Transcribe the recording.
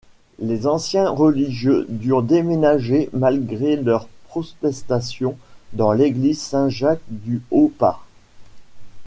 Les anciens religieux durent déménager malgré leurs protestations dans l'église Saint-Jacques-du-Haut-Pas.